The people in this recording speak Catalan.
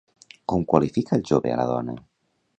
Com qualifica el jove a la dona?